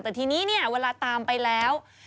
แต่ทีนี้เนี่ยเวลาตามไปแล้ว